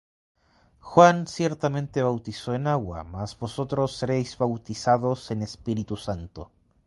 Juan ciertamente bautizó en agua; mas vosotros seréis bautizados en Espíritu Santo.